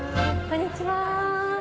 こんにちは。